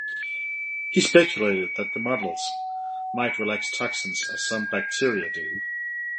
He speculated that molds might release toxins, as some bacteria do.